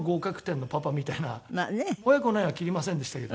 親子の縁は切りませんでしたけどね。